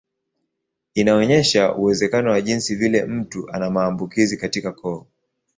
Inaonyesha uwezekano wa jinsi vile mtu ana maambukizi katika koo.